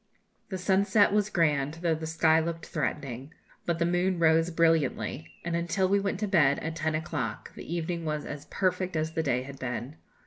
The sunset was grand, though the sky looked threatening; but the moon rose brilliantly, and until we went to bed, at ten o'clock, the evening was as perfect as the day had been.